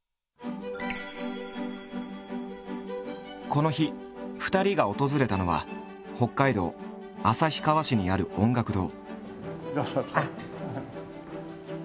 この日２人が訪れたのは北海道旭川市にある音楽堂。